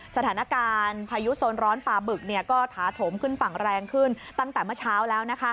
สถานการณ์พายุโซนร้อนปลาบึกก็ถาถมขึ้นฝั่งแรงขึ้นตั้งแต่เมื่อเช้าแล้วนะคะ